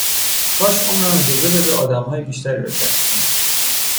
کاش عمرم اجازه بده آدمهای بیشتری رو کشف کنم